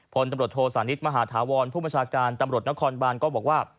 พลตำรวจโทษศาลนิษฐ์มหาฐะวรผู้ประชาการตำรวจนครบาลก็บอกว่า